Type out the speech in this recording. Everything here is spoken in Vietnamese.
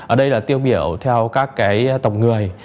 ở đây là tiêu biểu theo các tổng người